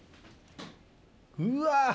うわ！